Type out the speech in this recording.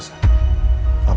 aku mau makan malam